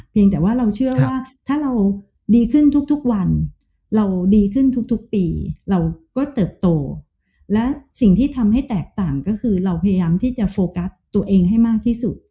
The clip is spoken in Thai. แต่ว่าเราเชื่อว่าถ้าเราดีขึ้นทุกวันเราดีขึ้นทุกปีเราก็เติบโตและสิ่งที่ทำให้แตกต่างก็คือเราพยายามที่จะโฟกัสตัวเองให้มากที่สุด